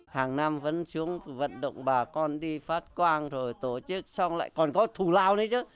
hàng năm vẫn xuống vận động bà con đi phát quang rồi tổ chức xong lại còn có thù lao nữa chứ